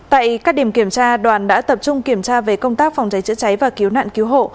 tại các điểm kiểm tra đoàn đã tập trung kiểm tra về công tác phòng cháy chữa cháy và cứu nạn cứu hộ